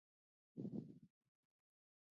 کبونه او ماران بیا سړه وینه لري